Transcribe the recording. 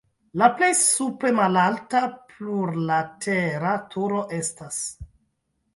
La plej supre malalta plurlatera turo estas.